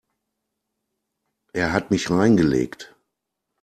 Er hat mich reingelegt.